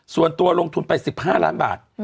ส่วนตัวลงทุนไป๑๕ล้านบาท